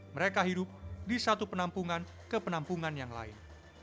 mereka hidup di satu penampungan ke penampungan yang lain